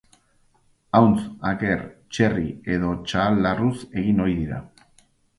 Ahuntz, aker, txerri edo txahal larruz egin ohi dira.